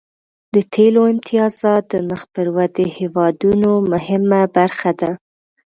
د تیلو امتیازات د مخ پر ودې هیوادونو مهمه برخه ده